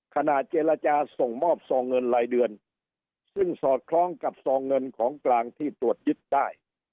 ขณะเจรจาส่งมอบซองเงินรายเดือนซึ่งสอดคล้องกับซองเงินของกลางที่ตรวจยึดได้